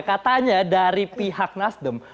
katanya dari pihak nasdem